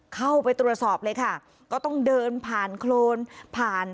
เข้าไปตรวจสอบเลยค่ะก็ต้องเดินผ่านโครนผ่าน